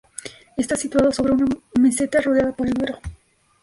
Está situado sobre una meseta, rodeada por el Duero.